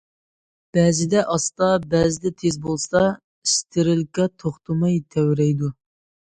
بەزىدە ئاستا، بەزىدە تېز بولسا، ئىسترېلكا توختىماي تەۋرەيدۇ.